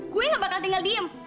gue gak bakal tinggal diem